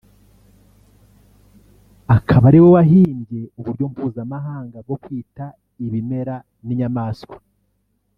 akaba ari we wahimbye uburyo mpuzamahanga bwo kwita ibimera n’inyamaswa